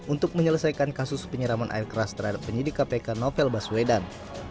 untuk menyelesaikan kasus penyeraman air keras terhadap penyidik kpk novel baswedan